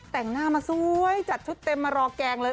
แต่งหน้ามาสวยจัดชุดเต็มมารอแกงเลย